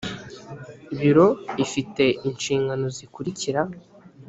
biro ifite inshingano zikurikira